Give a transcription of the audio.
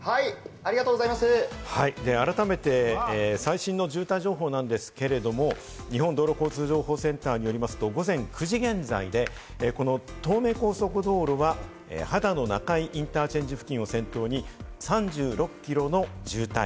改めて最新の渋滞情報なんですけれども、日本道路交通情報センターによりますと、午前９時現在でこの東名高速道路は秦野中井インターチェンジ付近を先頭に３６キロの渋滞。